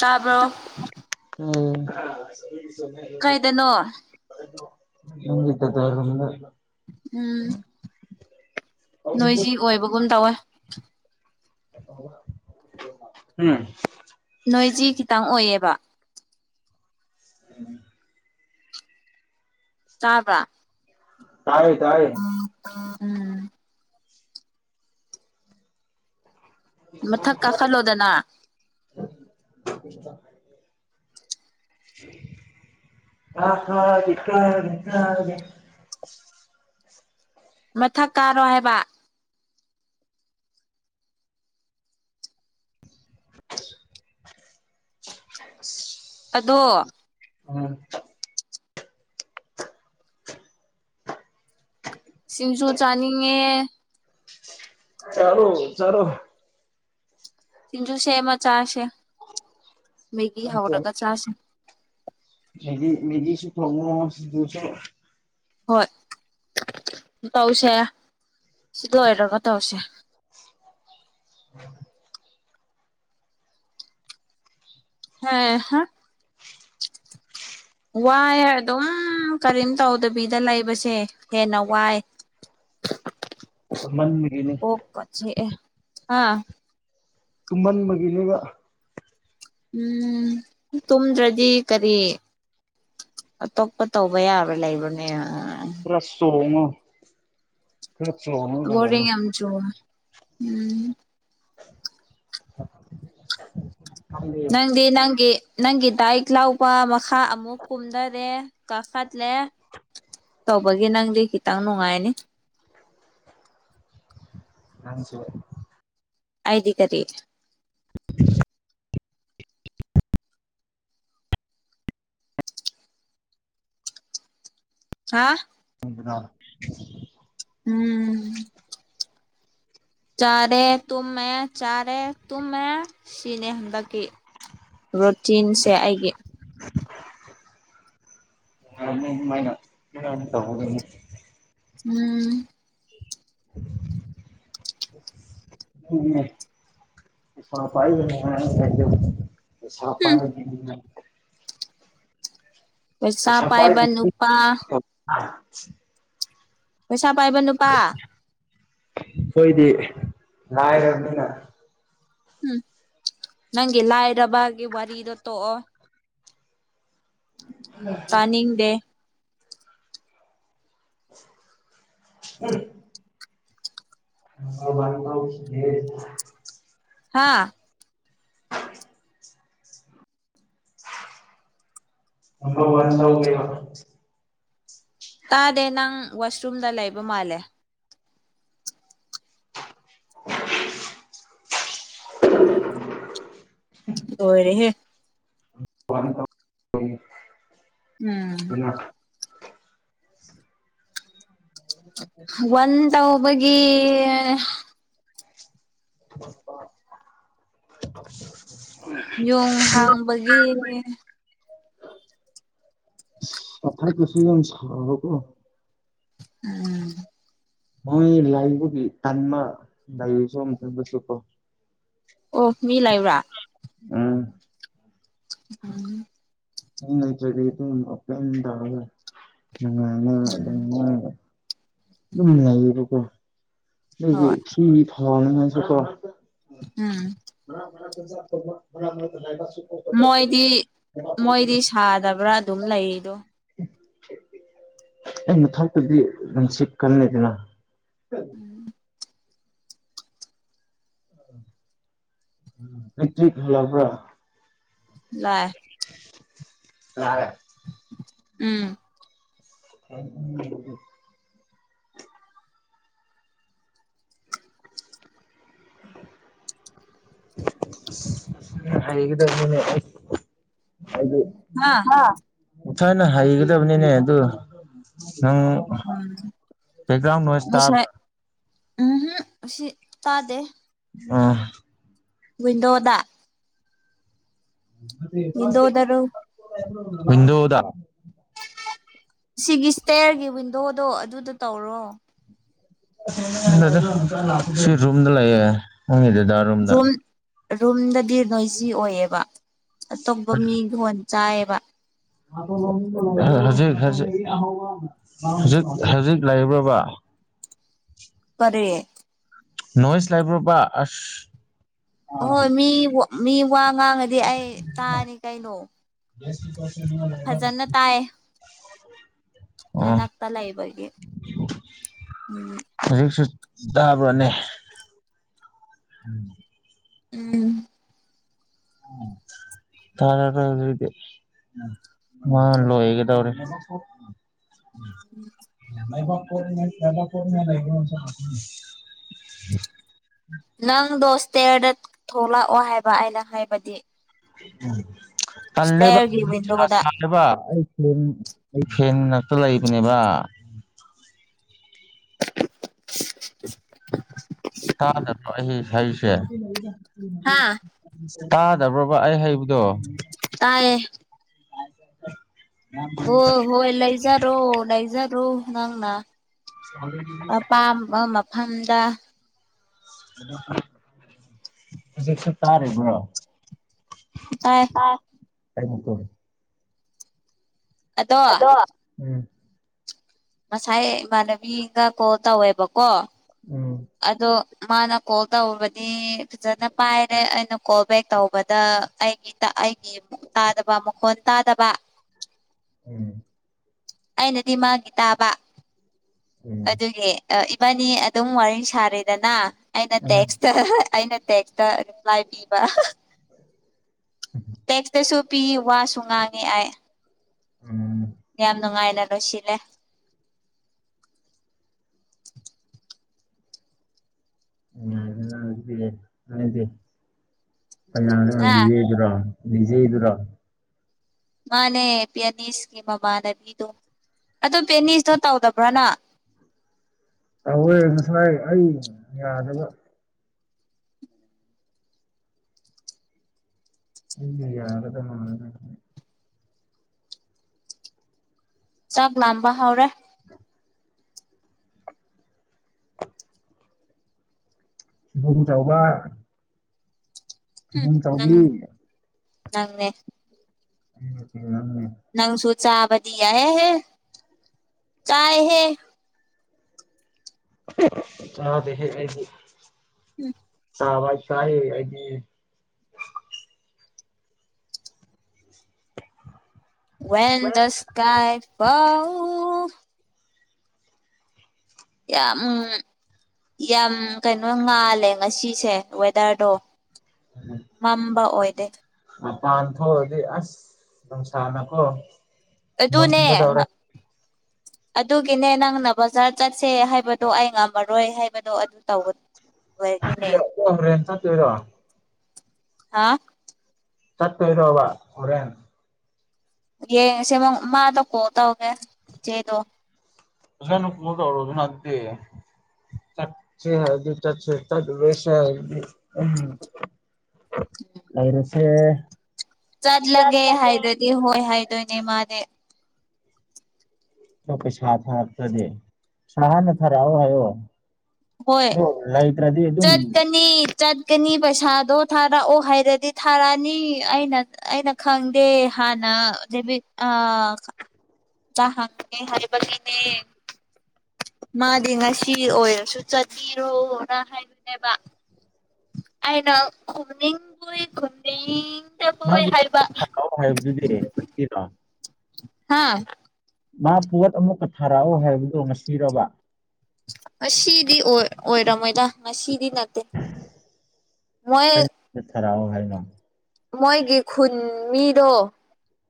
ꯇꯥꯕ꯭ꯔꯣ ꯀꯥꯏꯗꯅꯣ ꯅꯒꯤꯇ ꯇꯔꯗ ꯎꯝ ꯅꯣꯏꯖꯤ ꯑꯣꯏꯕꯒꯨꯝ ꯇꯧꯋꯦ ꯎꯝ ꯅꯣꯏꯖꯤ ꯈꯤꯇꯪ ꯑꯣꯏꯌꯦꯕ ꯎꯝ ꯆꯥꯕ꯭ꯔꯥ ꯇꯥꯏꯌꯦ ꯇꯌꯦ ꯎꯝ ꯃꯊꯛ ꯀꯥꯈꯠꯂꯣꯗꯅ [inaudible] ꯑ ꯍꯀꯔꯒ ꯃꯊꯛ ꯀꯥꯔꯣ ꯍꯥꯏꯕ [inaudible] [unintelligible] ꯑꯗꯣ ꯎꯝ ꯁꯤꯡꯁꯨ ꯆꯥꯅꯤꯡꯉꯦ ꯆꯂꯣ ꯆꯔꯣ ꯁꯤꯖꯨꯁꯦ ꯃ ꯆꯥꯁꯦ ꯃꯦꯒꯤ ꯍꯧꯔꯒ ꯆꯥꯁ ꯃꯦꯗꯤ ꯃꯦꯗꯤꯁꯨ ꯐ꯭ꯔꯣꯕ ꯁꯤꯁꯨ ꯍꯣꯏ ꯇꯧꯁꯦ ꯁꯤ ꯂꯣꯏꯔꯒ ꯇꯧꯁꯦ ꯎꯝ ꯍꯦ ꯍꯥ ꯋꯥꯏ ꯍꯥꯏꯗ ꯀꯔꯤꯝ ꯇꯧꯗꯕꯤꯗ ꯂꯩꯕꯁꯦ ꯍꯦꯟꯅ ꯋꯥꯏ ꯃꯟꯕꯒꯤꯅꯤ ꯑꯣꯀꯁ ꯍꯥꯥ ꯇꯨꯃꯟ ꯃꯒꯤꯅꯦꯒ ꯎꯝ ꯇꯨꯝꯗ꯭ꯔꯗꯤ ꯀꯔꯤ ꯑꯇꯣꯞꯄ ꯇꯧꯕ ꯌꯥꯕ ꯂꯩꯕꯅꯦ ꯐꯔ ꯁꯣꯉ ꯐꯔ ꯆꯣꯅ ꯕꯣꯔꯤꯡ ꯌꯥꯝ ꯆꯨꯋꯦ ꯎꯝ [unintelligible] ꯅꯪꯗꯦ ꯅꯪꯦ ꯅꯪꯒꯤ ꯗꯥꯏꯛ ꯂꯥꯎꯕ ꯃꯈꯥ ꯑꯃꯨꯛ ꯀꯨꯝꯊꯔꯦ ꯀꯥꯈꯠꯂꯦ ꯇꯧꯕꯒꯤ ꯅꯪꯗꯤ ꯈꯤꯇꯪ ꯅꯨꯡꯉꯥꯏꯅꯤ ꯔꯥꯡꯁ ꯑꯗꯤ ꯀꯔꯤ [unintelligible] [unintelligible] ꯍꯥꯥ ꯗ ꯎꯝ ꯆꯔꯦ ꯇꯃꯦꯃꯦ ꯆꯔꯦ ꯇꯨꯃꯦ ꯁꯤꯅꯦ ꯍꯟꯗꯛꯀꯤ ꯔꯨꯇꯤꯟꯁꯦ ꯑꯩꯒꯤ ꯌꯥ ꯃꯥꯏꯩꯅ ꯇ ꯎꯝ [unintelligible] ꯎꯝ ꯁꯥꯄ ꯀ ꯁꯥꯄ ꯍꯨꯝ ꯄꯩꯁꯥ ꯁꯐꯥꯏ ꯄꯥꯏꯕ ꯅꯨꯄꯥ ꯄꯁ ꯄꯥꯏꯕ ꯅꯨꯄꯥ ꯁꯣꯏꯗꯤ ꯂꯔꯅꯤꯅ ꯎꯝ ꯅꯪꯒꯤ ꯂꯥꯏꯔꯕꯒꯤ ꯋꯥꯔꯤꯗ ꯇꯣꯑꯣ ꯇꯥꯅꯤꯡꯗꯦ ꯎꯝ ꯑꯕꯥ ꯍꯥꯥ [unintelligible] ꯑ ꯋꯥꯟ ꯊꯧ ꯀꯩꯅ ꯇꯥꯗꯦ ꯅꯪ ꯋꯥꯁꯔꯨꯝꯗ ꯂꯩꯕ ꯃꯥꯜꯂꯦ [unintelligible] ꯑꯣꯏꯔꯦꯍꯦ [unintelligible] ꯎꯝ ꯑꯗꯨꯅ ꯋꯥ ꯇ ꯍꯕꯒꯤ [unintelligible] ꯌꯣꯡ ꯍꯥꯡꯕꯒꯤ ꯀꯊ ꯀ ꯁꯤꯕ ꯀꯣ ꯎꯝ ꯃꯣꯏ ꯂꯥꯏꯕꯨ ꯀꯥꯟꯃ ꯂꯁ ꯑꯃ ꯊꯁꯨ ꯀ ꯑꯣ ꯃꯤ ꯂꯩꯕ꯭ꯔꯥ ꯎꯝ ꯎꯝ ꯑ ꯇꯒ ꯑꯗꯨꯝ ꯂꯩꯕꯀꯣ ꯐ ꯍꯣꯏ ꯐꯉ ꯆꯀꯣ ꯎꯝ ꯃ ꯃꯣꯏꯗꯤ ꯃꯣꯏꯗꯤ ꯁꯥꯗꯕ꯭ꯔꯥ ꯑꯗꯨꯝ ꯂꯩꯗꯣ ꯑꯩꯅꯊꯛꯇꯗꯤ ꯅꯨꯡꯁꯤꯀꯅꯤꯗꯅ ꯄꯤꯇꯕ꯭ꯔ ꯂ ꯑ ꯎꯝ ꯎꯝ ꯎꯝ [inaudible] ꯍꯥꯏꯈꯤꯗꯅꯦ ꯍꯥꯏꯗꯤ ꯍꯥ ꯊꯥꯏꯅ ꯍꯩꯒꯗꯕꯅꯤꯅꯦ ꯑꯗꯨ ꯅꯪ ꯕꯦꯛꯒ꯭ꯔꯥꯎꯟ ꯅꯣꯏꯁ ꯇꯥꯕ꯭ꯔꯥ ꯉꯁꯥꯏ ꯎꯝꯍꯨꯝ ꯑꯁꯤ ꯇꯥꯗꯦ ꯑ ꯋꯟꯗꯣꯗ ꯋꯤꯟꯗꯣꯗꯔꯣ ꯍꯤꯟꯗꯣꯗ ꯁꯤꯒꯤ ꯏꯁꯇꯦꯌꯔꯒꯤ ꯋꯤꯟꯗꯣꯗꯣ ꯑꯗꯨꯗ ꯇꯧꯔꯣ ꯁꯤ ꯔꯨꯝꯨꯝꯗ ꯂꯩꯌꯦꯦ ꯎꯗꯗ ꯔꯨꯝꯝꯗ ꯔꯨꯝ ꯔꯨꯝꯗꯗꯤ ꯅꯣꯏꯖꯤ ꯑꯣꯏꯌꯦꯕ ꯑꯇꯣꯞꯄ ꯃꯤ ꯊꯣꯟ ꯆꯥꯏꯌꯦꯕ ꯍꯧꯖꯤꯛ ꯍꯧꯖꯤꯛ ꯍꯧꯖꯤꯛ ꯍꯧꯖꯤꯛ ꯂꯩꯕ꯭ꯔꯕ ꯄꯔꯦ ꯅꯣꯏꯁ ꯂꯩꯕ꯭ꯔꯕ ꯑꯁ ꯍꯣꯏ ꯃꯤ ꯃꯤ ꯋꯥ ꯉꯥꯡꯉꯗꯤ ꯑꯩ ꯇꯥꯅꯤ ꯀꯩꯅꯣ ꯁ ꯅꯥꯟꯥꯛꯇꯂ ꯏꯕꯦ ꯎꯝ ꯕꯅꯦ ꯎꯝ ꯎ ꯇꯔꯦꯗꯤ ꯃꯥ ꯂꯣꯏꯒ ꯇꯧꯔꯦ ꯅꯕꯣ ꯗꯥꯄꯣ ꯂꯩ ꯅꯪꯗꯣ ꯏꯁꯇꯦꯌꯔꯗ ꯊꯣꯛꯂꯛꯑꯣ ꯍꯥꯏꯕ ꯑꯩꯅ ꯍꯥꯏꯕꯗꯤ ꯎ ꯇꯜꯂꯦꯕ ꯁ꯭ꯇꯦꯌꯔꯒꯤ ꯋꯤꯟꯗꯣꯗ ꯁꯥꯂꯦꯕ ꯑꯩ ꯐꯦꯟ ꯑꯩ ꯐꯦꯟ ꯉꯛꯇ ꯂꯩꯕꯅꯦꯕ [inaudible] ꯇꯥꯗ꯭ꯔꯣ ꯑꯩ ꯍꯥꯏꯁꯦ ꯍꯥ ꯇꯥꯗꯕ꯭ꯔꯣꯕ ꯑꯩ ꯍꯩꯕꯗꯣ ꯇꯥꯏꯔꯦ ꯑ ꯑꯣ ꯍꯣꯏ ꯂꯩꯖꯥꯔꯣ ꯂꯩꯖꯥꯔꯣ ꯅꯪꯅ [unintelligible] ꯐꯝꯗ ꯑꯗꯨꯁ ꯇꯥꯔꯦ ꯄꯨ꯭ꯔꯣ ꯇꯥꯏ ꯑꯩ ꯀꯣꯦ ꯑꯗꯣ ꯎꯝ ꯉꯁꯥꯏ ꯏꯃꯥꯟꯅꯕꯤꯒ ꯀꯣ ꯇꯧꯋꯦꯕꯀꯣ ꯎꯝ ꯑꯗꯣ ꯃꯥꯅ ꯀꯣꯜ ꯇꯧꯕꯗꯤ ꯐꯖꯅ ꯄꯥꯏꯔꯦ ꯑꯩꯅ ꯀꯣꯜ ꯕꯦꯛ ꯇꯧꯕꯗ ꯑꯩꯒꯤ ꯑꯃꯨꯛ ꯇꯥꯗꯕ ꯃꯈꯣꯟ ꯇꯥꯗꯕ ꯑꯩꯅꯗꯤ ꯃꯥꯒꯤ ꯇꯥꯕ ꯎꯝ ꯑꯗꯨꯒꯤ ꯅꯤ ꯑꯗꯨꯝ ꯋꯥꯔꯤ ꯁꯥꯔꯤꯗꯅ ꯑꯩꯅ ꯇꯦꯛꯁꯇ ꯑꯩꯅ ꯇꯦꯛꯛꯇ ꯔꯤꯄ꯭ꯂꯥꯏ ꯄꯤꯕ ꯇꯦꯛꯁꯇꯁꯨ ꯄꯤ ꯋꯥꯁꯨ ꯉꯥꯡꯉꯤ ꯑꯥꯏ ꯎꯝ ꯌꯥꯝ ꯅꯨꯡꯉꯥꯏꯂ ꯂꯣꯁꯤꯂꯦ ꯦꯗꯤ ꯀꯔꯣ ꯑ ꯅꯤꯡꯖꯦ ꯏꯗꯔꯣ ꯃꯥꯅꯦ ꯄꯤꯅꯤꯁꯀꯤ ꯃꯃꯅꯕꯤꯗꯨ ꯑꯗꯨ ꯄꯦꯅꯤꯁꯇꯣ ꯇꯧꯗꯕ꯭ꯔꯅ ꯑꯣꯏ ꯉꯁꯥꯏ ꯑꯩ ꯌꯥꯗꯕ ꯏ ꯌꯥꯔ ꯆꯥꯛ ꯂꯝꯕ ꯍꯧ꯭ꯔꯦ ꯑ ꯆꯧꯕ ꯎꯝ ꯆꯍꯨꯝ ꯅꯪ ꯆꯧꯕꯤ ꯅꯪꯅꯦ ꯎꯃꯦ ꯅꯪꯁꯨꯨ ꯆꯕꯗꯤ ꯍ ꯍꯦ ꯀꯥꯏ ꯍꯦ ꯑꯗꯦ ꯍꯦ ꯑꯩꯗꯤ ꯎꯝ ꯑꯋꯥ ꯀꯑ ꯍꯥꯏꯗꯤ ꯟꯗꯁ ꯀꯥꯏ ꯄꯥꯎ ꯌꯥ ꯌꯥꯝ ꯀꯩꯅꯣ ꯉꯥꯜꯂꯦ ꯉꯁꯤꯁꯦ ꯋꯦꯗꯔꯗꯣ ꯃꯝꯕ ꯑꯣꯏꯗꯦ ꯃꯄꯥꯟ ꯊꯣꯛꯑꯗꯤ ꯑꯁ ꯑꯗꯨꯝ ꯁꯥꯟꯅꯀꯣ ꯇꯨꯅꯦ ꯑꯗꯨꯒꯤꯅꯦ ꯅꯪꯅ ꯕꯖꯥꯔ ꯆꯠꯁꯦ ꯍꯥꯏꯕꯗꯣ ꯑꯩ ꯉꯝꯃꯔꯣꯏ ꯍꯥꯏꯕꯗꯣ ꯑꯗꯨ ꯇꯧꯒꯅꯤ ꯔꯦꯟ ꯇꯔꯣ ꯍꯥ ꯆꯠ ꯑꯣꯏꯔꯣꯕ ꯑꯣꯣꯔꯦꯟꯦꯟ ꯌꯦ ꯁꯦꯕ ꯃꯥꯗ ꯀꯣ ꯇꯧꯒꯦ ꯆꯆꯦꯗꯣ ꯁꯨꯩꯅ ꯀꯣꯗ ꯔꯘꯅꯥꯗꯤ ꯆꯥꯛꯦ ꯍꯥꯏ ꯆ ꯆꯕꯁꯦ ꯎ ꯂꯏꯔꯁꯦ ꯆꯠꯂꯒꯦ ꯍꯥꯏꯗ꯭ꯔꯗꯤ ꯍꯣꯏ ꯍꯥꯏꯗꯣꯏꯅꯦ ꯃꯥꯅꯦ ꯄꯩꯁꯥ ꯊꯥꯔꯛꯇꯗꯦ ꯁꯥꯍꯅ ꯊꯔꯛꯑꯣ ꯍꯥꯏꯣ ꯍꯣꯏ ꯆꯠ ꯀꯅꯤ ꯆꯠ ꯆꯠꯀꯅꯤ ꯄꯩꯁꯥꯗꯣ ꯊꯥꯔꯛꯑꯣ ꯍꯥꯏꯔꯗꯤ ꯊꯥꯔꯛꯑꯅꯤ ꯑꯩꯅ ꯑꯩꯅ ꯈꯪꯗꯦ ꯍꯥꯟꯅ ꯑ ꯑ ꯇꯍꯪꯦ ꯍꯔꯄꯂꯤꯅꯦ ꯃꯥꯗꯤ ꯉꯁꯤ ꯑꯣꯏꯔꯁꯨ ꯆꯠꯄꯤꯔꯣꯅ ꯍꯥꯏꯗꯣꯏꯅꯦꯕ ꯑꯏꯅ ꯈꯨꯅꯤꯣꯏ ꯈꯨꯅꯤ ꯃꯥꯒꯤ ꯍꯥꯏꯗꯨꯗꯤꯔꯣ ꯍꯥꯦ ꯃꯥ ꯄꯣꯠ ꯑꯃꯨꯛꯀ ꯊꯥꯔꯛꯑꯣ ꯍꯥꯏꯕꯗꯣ ꯉꯁꯤꯔꯕ ꯁꯤꯗꯤ ꯑꯣꯏ ꯑꯣꯏꯔꯝꯃꯣꯏꯗ ꯃꯁꯤꯔꯤꯅꯗ ꯃꯣꯏ ꯈꯔꯛꯑꯣ ꯍꯥꯏꯅꯣ ꯃꯣꯏꯒꯤ ꯈꯨꯟ ꯃꯤꯗꯣ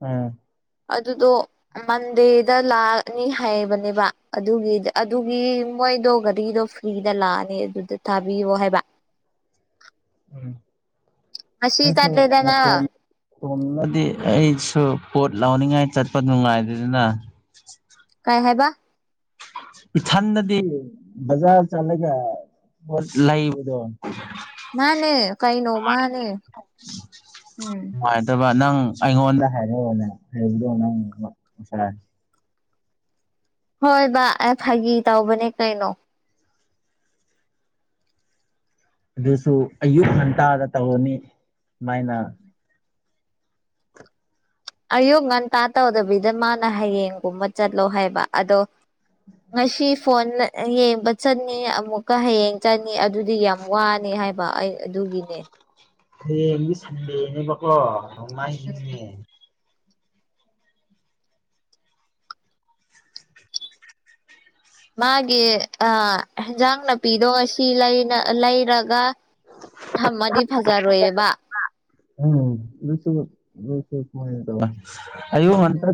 ꯎꯝ ꯑꯗꯨꯗꯣ ꯃꯟꯗꯦꯗ ꯂꯥꯛꯑꯅꯤ ꯍꯥꯏꯕꯅꯦꯕ ꯑꯗꯨꯒꯤ ꯑꯗꯨꯒꯤ ꯃꯣꯏꯗꯣ ꯒꯥꯔꯤꯗꯣ ꯐ꯭ꯔꯤꯗ ꯂꯥꯛꯑꯅꯤ ꯑꯗꯨꯗ ꯊꯥꯕꯤꯌꯣ ꯍꯥꯏꯕ ꯎꯝ ꯉꯁꯤ ꯑꯩꯁꯨ ꯆꯠꯂꯦꯗꯅ ꯇꯅꯗꯤ ꯑꯩꯁꯨ ꯄꯣꯠ ꯂꯥꯎꯅꯤꯡꯉꯥꯏ ꯆꯠꯄ ꯅꯨꯡꯉꯥꯏꯗꯅ ꯀꯥꯏ ꯍꯥꯏꯕ ꯏꯊꯟꯗꯗꯤ ꯕꯖꯥꯔ ꯆꯠꯂꯒ ꯄꯣꯠ ꯂꯩꯕꯗꯣ ꯃꯥꯅꯦ ꯀꯩꯅꯣ ꯃꯥꯅꯦ ꯎꯝ [unintelligible] ꯅꯪ ꯑꯩꯉꯣꯟꯗ ꯍꯥꯏꯔꯛꯑꯣꯅꯦ ꯍꯥꯏꯕꯗꯣ ꯅꯪ ꯍꯣꯏ ꯕ ꯑꯦ ꯐꯥꯒꯤ ꯇꯧꯕꯅꯦ ꯀꯩꯅꯣ ꯑꯗꯨꯁꯨ ꯑꯌꯨꯛ ꯉꯟꯇꯥꯗ ꯇꯧꯔꯅꯤ ꯁꯨꯃꯥꯏꯅ ꯑꯌꯨꯛ ꯉꯟꯇꯥ ꯇꯧꯗꯕꯤꯗ ꯃꯥꯅ ꯍꯌꯦꯡꯒꯨꯝꯕ ꯆꯠꯂꯣ ꯍꯥꯏꯕ ꯑꯗꯣ ꯉꯁꯤ ꯐꯣꯟ ꯌꯦꯡꯕ ꯆꯠꯅꯤ ꯑꯃꯨꯛꯀ ꯍꯌꯦꯡ ꯆꯠꯅꯤ ꯑꯗꯨꯗꯤ ꯌꯥꯝ ꯋꯥꯅꯤ ꯍꯥꯏꯕ ꯑꯩ ꯑꯗꯨꯒꯤꯅꯦ ꯍꯥꯌꯦꯡꯗꯤ ꯁꯟꯗꯦꯅꯦꯕꯀꯣ ꯅꯣꯡꯃꯥꯏꯖꯤꯡ ꯅꯦ ꯃꯥꯒꯤ ꯏꯟꯖꯥꯡ ꯅꯥꯄꯤꯗꯣ ꯁꯤ ꯂꯩꯔꯒ ꯊꯝꯃꯗꯤ ꯐꯖꯔꯣꯏꯕ [unintelligible] ꯎꯝ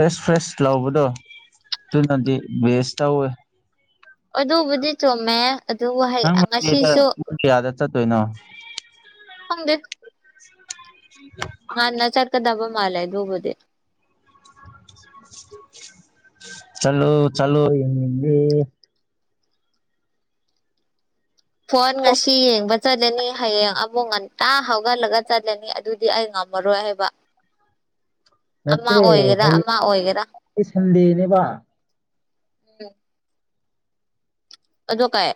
ꯑꯦꯁ ꯐ꯭ꯔꯦꯁ ꯂꯕꯗꯣ ꯑꯗꯨꯅꯗꯤ ꯕꯦꯁ ꯇꯧꯋꯦ ꯑꯗꯨꯕꯨꯗꯤ ꯆꯨꯝꯃꯦ ꯑꯗꯨꯕꯨ ꯍꯩ ꯅꯪ ꯃꯟꯗꯦꯗꯥ ꯉꯁꯤꯁꯨ ꯄꯨꯡ ꯀꯌꯥꯗ ꯆꯠꯇꯣꯏꯅꯣ ꯈꯪꯗꯦ [unintelligible] ꯃꯥꯂ ꯍꯥꯏ ꯑꯗꯨꯕꯨꯗꯤ ꯆꯂꯣ ꯆꯂꯣꯗꯤ [unintelligible] ꯆꯠꯂꯅꯤ ꯍꯌꯦꯡ ꯑꯃꯨꯛ ꯉꯟꯇꯥ ꯍꯧꯒꯠꯂꯒ ꯆꯠꯂꯅꯤ ꯑꯗꯨꯗꯤ ꯑꯩ ꯉꯝꯃꯔꯣꯏ ꯍꯥꯏꯕ ꯑꯃꯥ ꯅꯠꯇꯦ ꯑꯣꯏꯒꯦꯔ ꯑꯃꯥ ꯍꯌꯦꯡꯗꯤ ꯑꯣꯏꯒꯦꯔ ꯁꯟꯗꯦꯅꯦꯕ ꯎꯝ ꯑꯗꯣ ꯀꯩ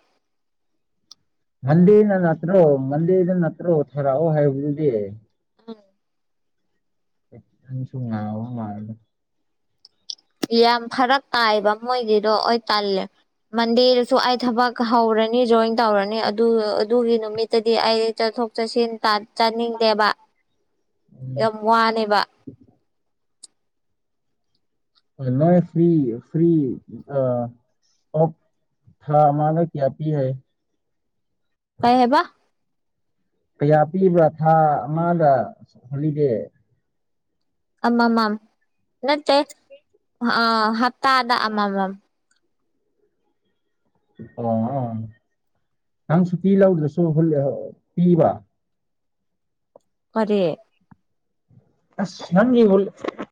ꯃꯟꯗꯦꯗ ꯅꯠꯇ꯭ꯔꯣ ꯃꯟꯗꯦꯗ ꯅꯠꯇ꯭ꯔꯣ ꯊꯥꯔꯛꯑꯣ ꯍꯥꯏꯕꯗꯨꯗꯤ ꯎꯝ [unintelligible] ꯌꯥꯝ ꯐꯔꯛ ꯇꯥꯏꯕ ꯃꯣꯏꯒꯤꯗꯣ ꯑꯣꯏ ꯇꯜꯂꯦ ꯃꯟꯗꯦꯗꯁꯨ ꯑꯩ ꯊꯕꯛ ꯍꯧꯔꯅꯤ ꯖꯣꯏꯟ ꯇꯧꯔꯅꯤ ꯑꯗꯨ ꯑꯗꯨꯒꯤ ꯅꯨꯃꯤꯠꯇꯗꯤ ꯑꯩ ꯆꯠꯊꯣꯛ ꯆꯠꯁꯤꯟ ꯆꯥꯅꯤꯡꯗꯦꯕ ꯌꯥꯝ ꯋꯥꯅꯦꯕ ꯅꯣꯏ ꯐꯔꯤ ꯐꯔꯤ ꯑ ꯑꯣꯐ ꯊꯥ ꯑꯃꯥꯗꯥ ꯀꯌꯥꯄꯤ ꯍꯥꯏ ꯀꯩ ꯍꯥꯏꯕ ꯀꯌꯥ ꯄꯤꯕ꯭ꯔꯥ ꯊꯥ ꯑꯃꯗ ꯍꯣꯂꯤꯗꯦ ꯑꯃꯥꯃꯝ ꯅꯠꯇꯦ ꯑ ꯍꯞꯇꯥꯗ ꯑꯃꯥꯃꯝ ꯑꯣ ꯑ ꯅꯪ ꯁꯨꯇꯤ ꯂꯧꯗ꯭ꯔꯁꯨ ꯄꯤꯕ ꯀꯔꯤ [unintelligible]